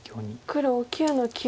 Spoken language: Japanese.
黒９の九。